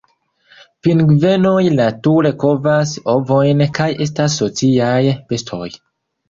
Pingvenoj nature kovas ovojn kaj estas sociaj bestoj.